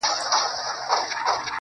ټول کندهار کي يو لونگ دی، دی غواړي~